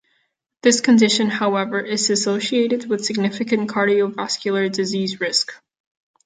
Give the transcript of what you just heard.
This condition however is associated with significant cardiovascular disease risk.